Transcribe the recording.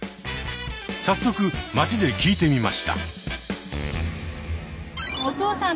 早速街で聞いてみました。